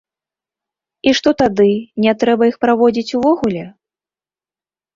І што тады, не трэба іх праводзіць увогуле?